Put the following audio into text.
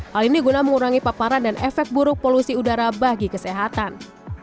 hal ini guna mengurangi paparan dan efek buruk polusi udara bagi kesehatan